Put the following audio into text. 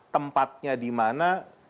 tempatnya di mana